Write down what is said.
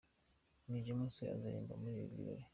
King James azaririmba muri ibi birori.